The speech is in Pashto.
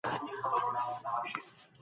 مرستيال ښوونکی په ټولګي کي ولي مهم دی؟